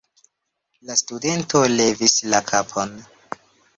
La studento levis la kapon.